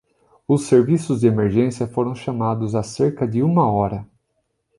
Os serviços de emergência foram chamados há cerca de uma hora.